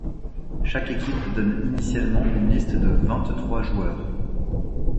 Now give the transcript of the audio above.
Chaque équipe donne initialement une liste de vingt-trois joueurs.